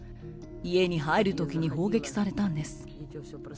家に入るときに砲撃されたんです。